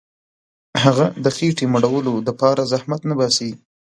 هغه د خېټي مړولو دپاره زحمت نه باسي.